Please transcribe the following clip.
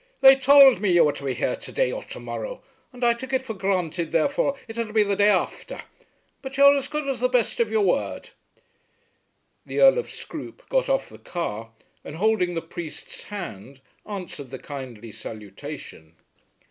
They tould me you were to be here to day or to morrow, and I took it for granted therefore it 'd be the day afther. But you're as good as the best of your word." The Earl of Scroope got off the car, and holding the priest's hand, answered the kindly salutation.